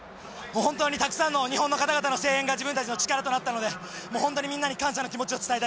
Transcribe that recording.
本当にたくさんの日本の方々の声援が自分たちの力となったので本当にみんなに感謝の気持ちを伝えたいと思います。